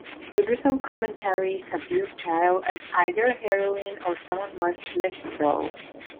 Biblical commentaries have viewed Jael as either a heroine or someone much less so.